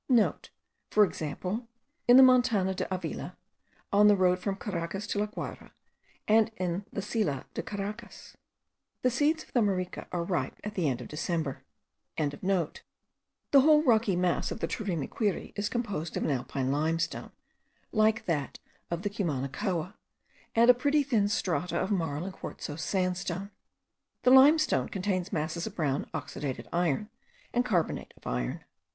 *(* For example, in the Montana de Avila, on the road from Caracas to La Guayra, and in the Silla de Caracas. The seeds of the marica are ripe at the end of December.) The whole rocky mass of the Turimiquiri is composed of an alpine limestone, like that of Cumanacoa, and a pretty thin strata of marl and quartzose sandstone. The limestone contains masses of brown oxidated iron and carbonate of iron.